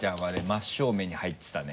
真っ正面に入ってたね。